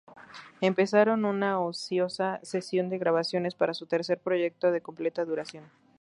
Empezaron una ociosa sesión de grabaciones para su tercer proyecto de completa duración.